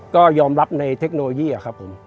ก็ยอมรับในเทคโนโลยีครับผม